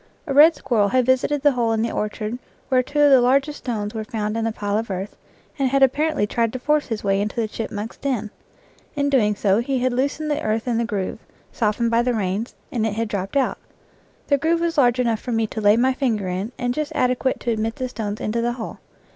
A red squir rel had visited the hole in the orchard where two of the largest stones were found in the pile of earth, and had apparently tried to force his way into the chipmunk's den. In doing so he had loosened the earth in the groove, softened by the rains, and it had dropped out. The groove was large enough for me to lay my finger in and just adequate to admit the stones into the hole.